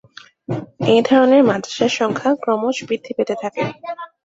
এ ধরনের মাদ্রাসার সংখ্যা ক্রমশ বৃদ্ধি পেতে থাকে।